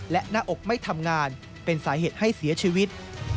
และหน้าอกไม่ทำงานเป็นสาเหตุให้เสียชีวิต